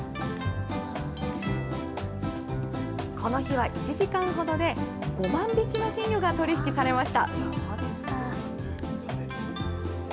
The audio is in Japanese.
この日は１時間ほどで５万匹の金魚が取り引きされました。